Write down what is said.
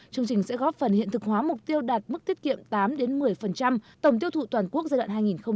chương trình sẽ góp phần hiện thực hóa mục tiêu đạt mức tiết kiệm tám một mươi tổng tiêu thụ toàn quốc giai đoạn hai nghìn một mươi sáu hai nghìn hai mươi